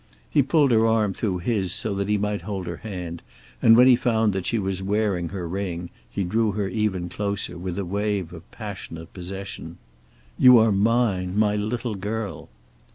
He pulled her arm through his, so he might hold her hand, and when he found that she was wearing her ring he drew her even closer, with a wave of passionate possession. "You are mine. My little girl."